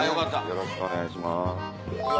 よろしくお願いします。